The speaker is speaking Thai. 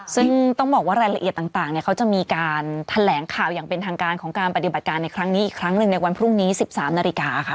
ซึ่งต้องบอกว่ารายละเอียดต่างเขาจะมีการแถลงข่าวอย่างเป็นทางการของการปฏิบัติการในครั้งนี้อีกครั้งหนึ่งในวันพรุ่งนี้๑๓นาฬิกาค่ะ